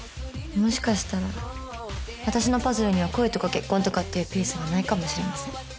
もしかしたら私のパズルには恋とか結婚とかっていうピースがないかもしれません。